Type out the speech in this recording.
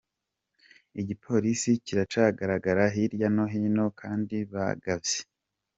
Igipolisi kiracagaragara hirya no hino kandi bagavye.